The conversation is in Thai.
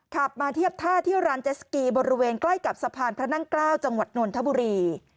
ขับมาเทียบท่าที่ร้านเจสกีบริเวณใกล้กับสะพานพระนั่งเกล้าจังหวัดนนทบุรี